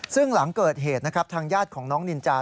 ซึ่งหลังเกิดเหตุนะครับทางญาติของน้องนินจา